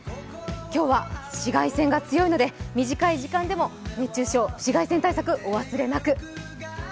今日は紫外線が強いので短い時間でも熱中症、紫外線対策、お忘れなく！